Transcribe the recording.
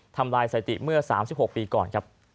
ทำลายสายติเมื่อ๓๖ปีก่อน